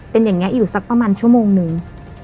เป็นอย่างนี้อยู่สักประมาณชั่วโมงนึง